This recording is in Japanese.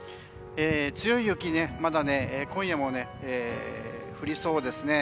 強い雪、まだ今夜も降りそうです。